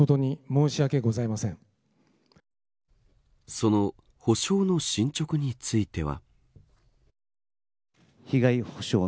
その補償の進捗については。